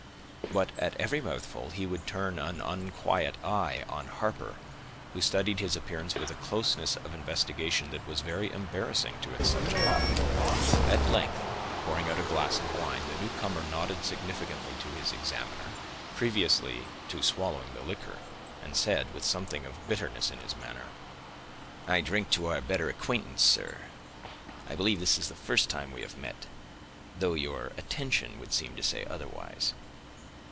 But at every mouthful he would turn an unquiet eye on Harper, who studied his appearance with a closeness of investigation that was very embarrassing to its subject. At length, pouring out a glass of wine, the newcomer nodded significantly to his examiner, previously to swallowing the liquor, and said, with something of bitterness in his manner,— "I drink to our better acquaintance, sir; I believe this is the first time we have met, though your attention would seem to say otherwise."